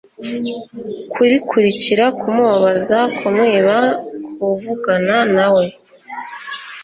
kurikurikira kumubabaza kumwiba kuvugana nawe